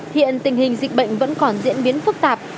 hiện tình hình dịch bệnh vẫn còn diễn biến phức tạp